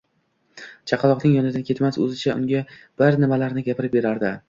Chaqaloqning yonidan ketmas, o`zicha unga bir nimalarni gapirib berardi